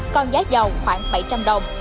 còn giá dầu khoảng bảy trăm linh usd